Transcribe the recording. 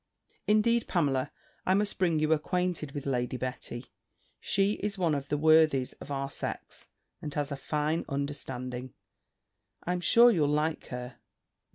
Indeed, Pamela, I must bring you acquainted with Lady Betty: she is one of the worthies of our sex, and has a fine understanding. I'm sure you'll like her.